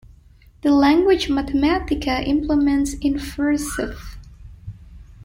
The language Mathematica implements 'InverseErf'.